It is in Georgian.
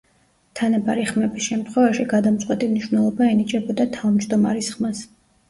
თანაბარი ხმების შემთხვევაში გადამწყვეტი მნიშვნელობა ენიჭებოდა თავმჯდომარის ხმას.